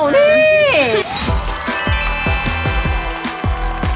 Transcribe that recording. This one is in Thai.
นี่